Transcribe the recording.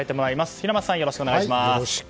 平松さん、よろしくお願いします。